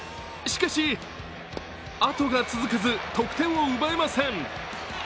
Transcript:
しかし、後が続かず得点を奪えません。